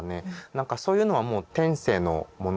何かそういうのはもう天性のものですよね。